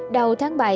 đầu tháng bảy